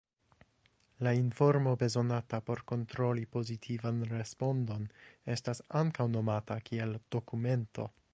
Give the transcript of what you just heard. La informo bezonata por kontroli pozitivan respondon estas ankaŭ nomata kiel "dokumento".